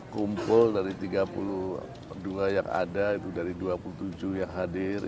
kumpul dari tiga puluh dua yang ada itu dari dua puluh tujuh yang hadir